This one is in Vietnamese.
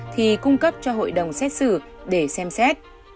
thì cung cấp cho hội đồng xét xử để xem xét